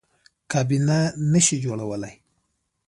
کابینه نه شي جوړولی.